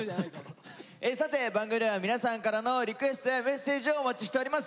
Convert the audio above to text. さて番組では皆さんからのリクエストやメッセージをお待ちしております。